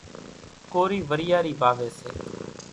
ڪورِي وريارِي واويَ سي۔